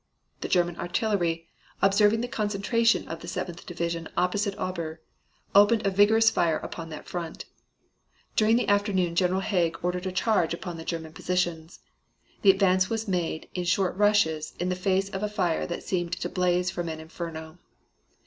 The German artillery, observing the concentration of the Seventh Division opposite Aubers, opened a vigorous fire upon that front. During the afternoon General Haig ordered a charge upon the German positions. The advance was made in short rushes in the face of a fire that seemed to blaze from an inferno.